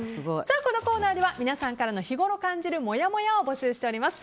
このコーナーでは皆さんからの日ごろ感じるもやもやを募集しています。